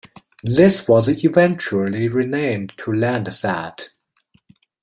This was eventually renamed to Landsat.